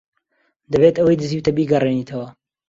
دەبێت ئەوەی دزیوتە بیگەڕێنیتەوە.